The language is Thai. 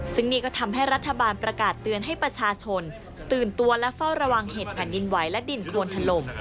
ซึ่งนี่ก็ทำให้รัฐบาลประกาศเตือนให้ประชาชนตื่นตัวและเฝ้าระวังเหตุแผ่นดินไหวและดินโครนถล่ม